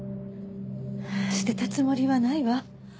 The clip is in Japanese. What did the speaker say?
捨てたつもりはないわ。